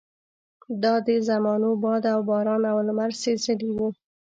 دا د زمانو باد او باران او لمر سېزلي وو.